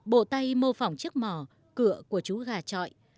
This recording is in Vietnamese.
bộ tay mô phỏng chiếc mỏ cửa của chú gà trọi